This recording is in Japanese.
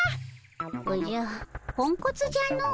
おじゃポンコツじゃの。